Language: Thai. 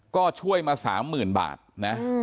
ก็ช่วยมา๓๐๐๐บาทนะ